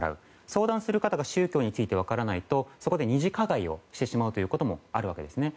相談する方が宗教について分からないとそこで２次加害をしてしまうこともあるわけですね。